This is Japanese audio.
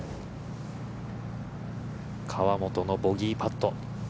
河本のボギーパット。